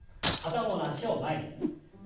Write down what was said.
片方の脚を前に。